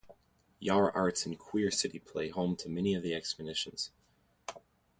Yarra Arts and Queer City play home to many of the exhibitions.